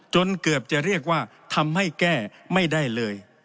จนเกือบจะเรียกว่าทำให้แก้ไม่ได้เลย